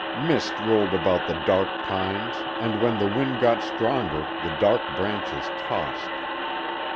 Mist rolled about the dark pines and when the wind got stronger the dark branches tossed.